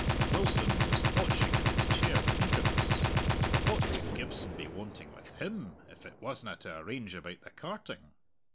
Wilson was hotching in his chair with eagerness. For what could Gibson be wanting with him if it wasna to arrange about the carting?